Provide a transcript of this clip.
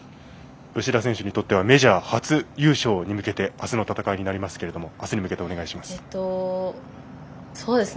吉田選手にとってはメジャー初優勝に向けて明日の戦いになりますけども明日に向けてお願いします。